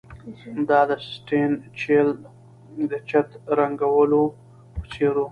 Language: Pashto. دا د سیسټین چیپل د چت د رنګولو په څیر و